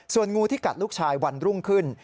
ส่วนงูที่กัดลูกชายวันรุ่งขึ้น